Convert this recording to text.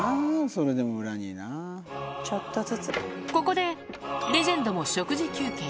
ここで、レジェンドも食事休憩。